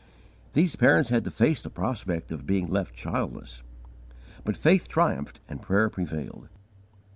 These parents had to face the prospect of being left childless. But faith triumphed and prayer prevailed.